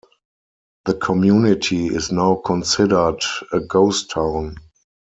The community is now considered a ghost town.